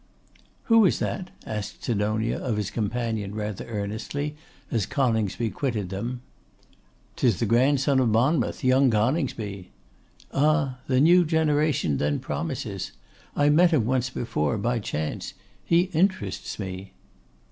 'Who is that?' asked Sidonia of his companion rather earnestly, as Coningsby quitted them. ''Tis the grandson of Monmouth; young Coningsby.' 'Ah! The new generation then promises. I met him once before, by chance; he interests me.